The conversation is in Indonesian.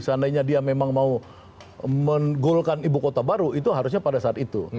seandainya dia memang mau meng goalkan ibu kota barat itu harusnya pada saat itu